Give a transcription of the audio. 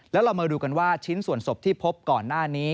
แล้วเรามาดูกันว่าชิ้นส่วนศพที่พบก่อนหน้านี้